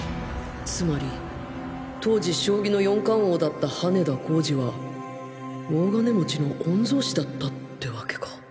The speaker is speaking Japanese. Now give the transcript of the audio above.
つまり当時将棋の四冠王だった羽田浩司は大金持ちの御曹司だったってわけか